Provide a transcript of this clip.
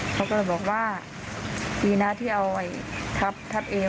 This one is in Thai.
เขาก็เลยบอกว่ามีหน้าที่เอาไว้ทับเอง